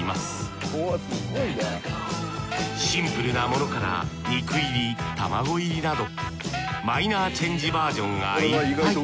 シンプルなものから肉入り玉子入りなどマイナーチェンジバージョンがいっぱい。